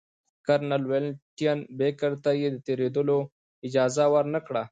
کرنل ولنټین بېکر ته یې د تېرېدلو اجازه ورنه کړه.